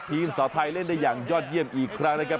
สาวไทยเล่นได้อย่างยอดเยี่ยมอีกครั้งนะครับ